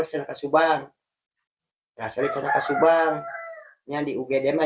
menurut audas ilmuwan dan pandemi